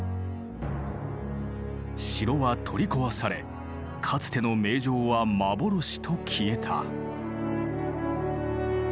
城は取り壊されかつての名城は幻と消えた。